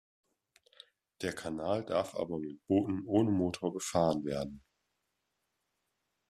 Der Kanal darf aber mit Booten ohne Motor befahren werden.